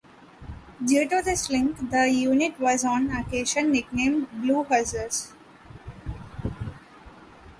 Due to this link, the unit was on occasion nicknamed the "Blue Hussars".